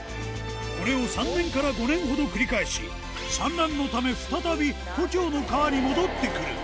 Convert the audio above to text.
これを３年から５年ほど繰り返し、産卵のため再び故郷の川に戻ってくる。